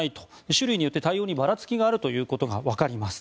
種類によって対応にばらつきがあることが分かります。